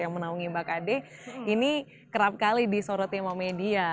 yang menaungi mbak kade ini kerap kali disorotin sama media